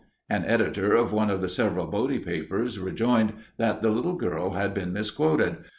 An editor of one of the several Bodie papers rejoined that the little girl had been misquoted.